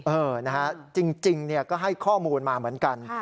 เออนะฮะจริงก็ให้ข้อมูลมาเหมือนกัน